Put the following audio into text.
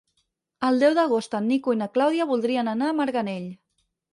El deu d'agost en Nico i na Clàudia voldrien anar a Marganell.